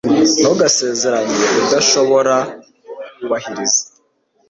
Ntugasezeranye udashobora kubahiriza